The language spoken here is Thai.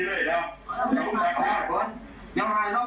เจรจาต่อรองเงินไป๕ล้านแลกกับการปล่อยตัว